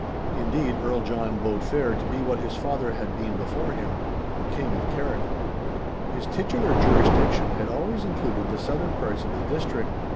Indeed Earl John bode fair to be what his father had been before him—the King of Carrick. His titular jurisdiction had always included the southern parts of the district.